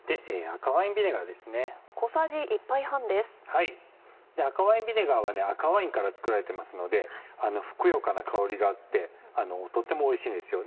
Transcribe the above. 赤ワインビネガーは赤ワインから作られてますのでふくよかな香りがあってとってもおいしいんですよ。